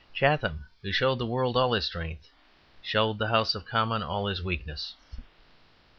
Chatham, who showed the world all his strength, showed the House of Commons all his weakness.